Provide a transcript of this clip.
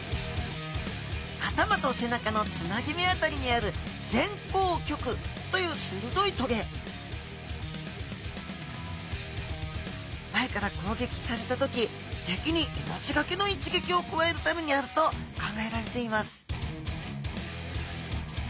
頭と背中のつなぎめ辺りにある前向棘というするどい棘前からこうげきされた時敵に命がけの一撃を加えるためにあると考えられています